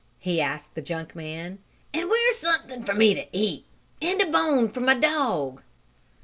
he asked the junk man, "and where's something to eat for me, and a bone for my dog?"